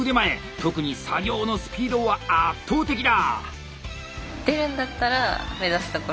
特に作業のスピードは圧倒的だ！